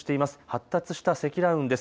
発達した積乱雲です。